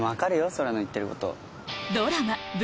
創楽の言ってること。